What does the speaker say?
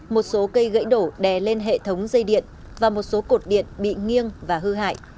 một số cây gãy đổ đè lên hệ thống dây điện và một số cột điện bị nghiêng và hư hại